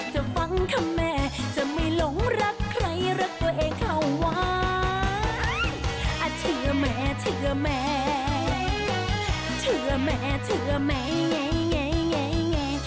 ถ้าฟังคำแม่จะไม่หลงรักใครรักตัวเองเข้าไว้อาจเชื่อแม่เชื่อแม่เชื่อแม่เชื่อแม่ไง